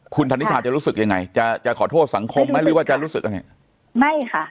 คุณธนิษฐาจะรู้สึกยังไงจะขอโทษสังคมไม่รู้ว่าจะรู้สึกยังไง